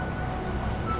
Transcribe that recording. kamu udah nangkat kan